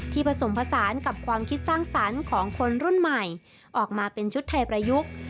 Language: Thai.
ผสมผสานกับความคิดสร้างสรรค์ของคนรุ่นใหม่ออกมาเป็นชุดไทยประยุกต์